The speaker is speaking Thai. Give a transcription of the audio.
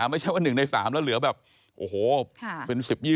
ไม่ใช่ว่า๑ใน๓แล้วเหลือแบบโอ้โหเป็น๑๐๒๐